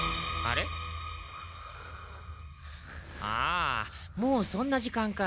ああもうそんな時間か。